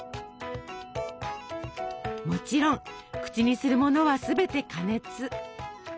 もちろん口にするものはすべて加熱。